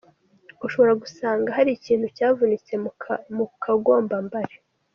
Ushobora gusanga hari ikintu cyavunitse mu kagombambari".